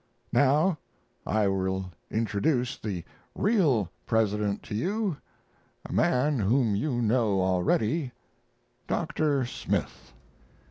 Now I will introduce the real president to you, a man whom you know already Dr. Smith.